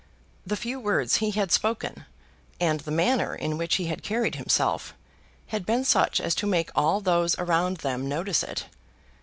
The few words he had spoken, and the manner in which he had carried himself, had been such as to make all those around them notice it.